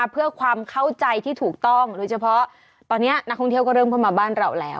เพื่อความเข้าใจที่ถูกต้องโดยเฉพาะตอนนี้นักท่องเที่ยวก็เริ่มเข้ามาบ้านเราแล้ว